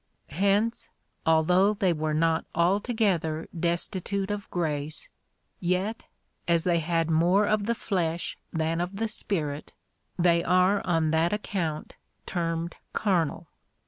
Hence, although they were not altogether destitute of grace, yet, as they had more of the flesh than of the Spirit, they are on that account termed carnal.